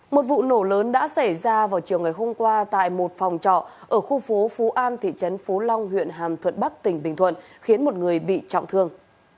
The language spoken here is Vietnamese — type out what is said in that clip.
một vụ nổ lớn đã xảy ra vào chiều ngày hôm qua tại một phòng trọ ở khu phố phú an thị trấn phú long huyện hàm thuận bắc tỉnh bình thuận khiến một người bị trọng thương